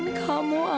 mereka akan aaak